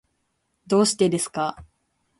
どうしてですか？